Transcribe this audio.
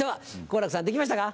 好楽さん出来ましたか？